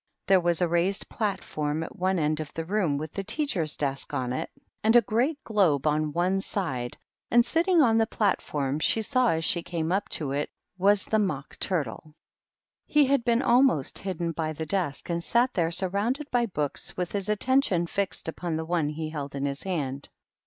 There was a raised platform at one end of the room, with the teacher's desk on it, and a great 210 THE MOCK TURTLE. globe on one side, and sitting on the platform, she saw as she came up to it, was the Mock Turtle. He had been almost hidden by the desk, and sat there, surrounded by books, with his at tention fixed upon the one that he held in his hand.